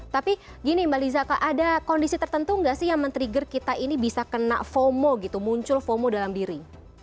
tapi gini mbak liza ada kondisi tertentu nggak sih yang men trigger kita ini bisa kena fomo gitu muncul fomo dalam diri